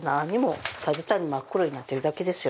ただただ真っ黒になってるだけですよ。